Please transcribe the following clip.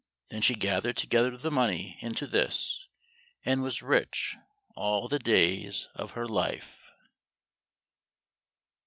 Then she gathered together the money into this, and was rich all the days of her life.